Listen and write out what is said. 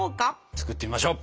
作ってみましょう。